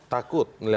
takut melihat foto ya